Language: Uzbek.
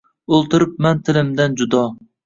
O’ltiribman tilimdan judo